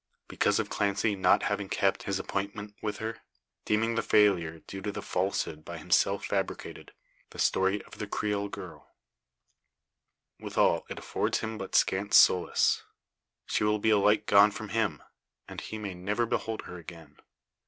Because of Clancy not having kept his appointment with her; deeming the failure due to the falsehood by himself fabricated the story of the Creole girl. Withal, it affords him but scant solace. She will be alike gone from him, and he may never behold her again.